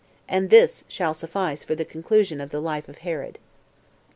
And this shall suffice for the conclusion of the life of Herod.